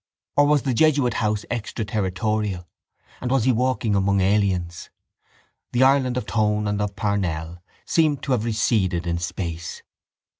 Or was the jesuit house extra territorial and was he walking among aliens? The Ireland of Tone and of Parnell seemed to have receded in space.